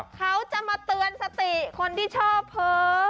เขาจะมาเตือนสติคนที่ชอบเผลอ